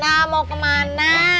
dari mana mau kemana